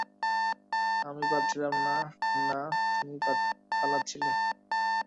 আমি পালাচ্ছিলাম না না, তুমি পালাচ্ছিলে।